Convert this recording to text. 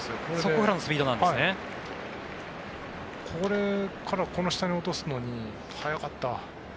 ここからこの下に落とすのに速かった。